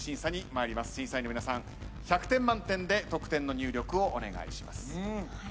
審査員の皆さん１００点満点で得点の入力をお願いします。